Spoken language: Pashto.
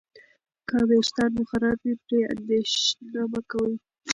که ویښتان مو خراب وي، پرې اندېښنه مه کوه.